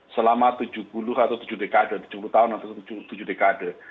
selama tujuh puluh atau tujuh dekade tujuh puluh tahun atau tujuh dekade